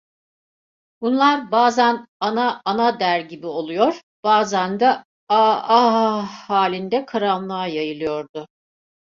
Bunlar bazan "Ana… Ana!" der gibi oluyor, bazan da "A… Aaah!" halinde karanlığa yayılıyordu.